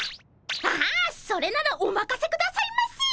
ああそれならおまかせくださいませ！